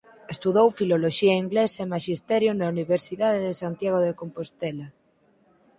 Estudou Filoloxía Inglesa e Maxisterio na Universidade de Santiago de Compostela.